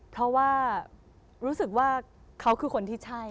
เพราะว่ารู้สึกว่าเขาคือคนที่ใช่